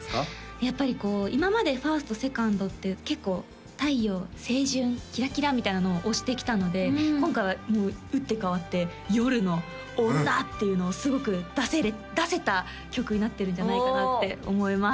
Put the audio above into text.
やっぱりこう今まで１ｓｔ２ｎｄって結構太陽清純キラキラみたいなのをおしてきたので今回は打って変わって夜の女っていうのをすごく出せた曲になってるんじゃないかなって思います